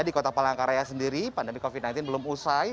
di kota palangkaraya sendiri pandemi covid sembilan belas belum usai